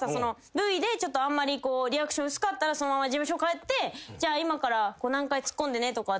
Ｖであんまりリアクション薄かったらそのまま事務所帰って「じゃあ今から何回ツッコんでね」とか。